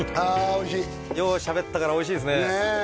おいしいようしゃべったからおいしいですねええ